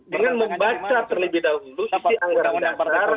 dengan membaca terlebih dahulu isi anggaran dasar